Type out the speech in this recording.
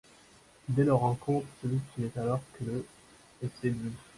Dès leur rencontre celui qui n'est alors que le est séduit.